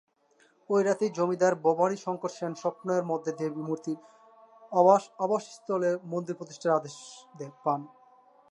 ঐ রাতেই জমিদার ভবানী শঙ্কর সেন স্বপ্নের মধ্যে দেবী মূর্তির আবাসস্থলে মন্দির প্রতিষ্ঠার আদেশ পান।